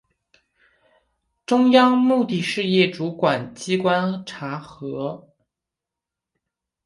中央目的事业主管机关查核